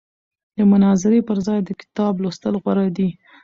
د مناظرې پر ځای د کتاب لوستل غوره دي.